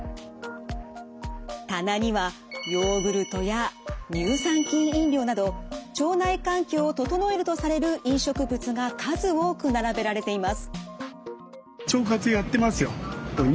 棚にはヨーグルトや乳酸菌飲料など腸内環境を整えるとされる飲食物が数多く並べられています。